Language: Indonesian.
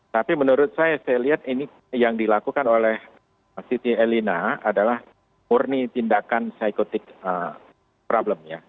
tapi menurut saya saya lihat ini yang dilakukan oleh siti elina adalah murni tindakan psikotic problem ya